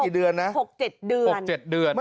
๖๗เดือน